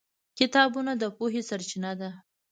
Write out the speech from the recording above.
کتابونه د پوهې سرچینه ده.